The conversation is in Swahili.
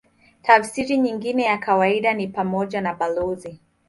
Tafsiri nyingine ya kawaida ni pamoja na balozi.